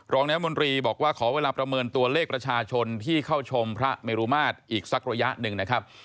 น้ำมนตรีบอกว่าขอเวลาประเมินตัวเลขประชาชนที่เข้าชมพระเมรุมาตรอีกสักระยะหนึ่งนะครับ